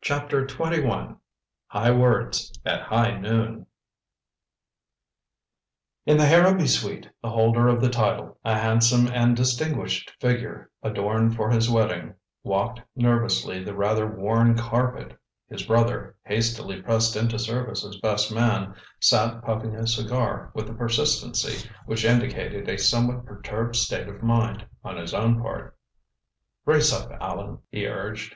CHAPTER XXI HIGH WORDS AT HIGH NOON In the Harrowby suite the holder of the title, a handsome and distinguished figure, adorned for his wedding, walked nervously the rather worn carpet. His brother, hastily pressed into service as best man, sat puffing at a cigar with a persistency which indicated a somewhat perturbed state of mind on his own part. "Brace up, Allan," he urged.